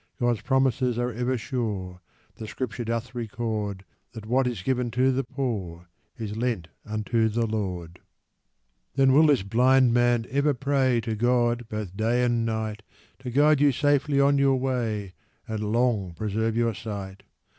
God's promises are ever sure, • The scripture. <doth record That what is given to the poor ! Is lent unto the Lord. I Then will this blind man over pray ! To God both day and night I To guide you safely on your way, ! And long preserve your sight.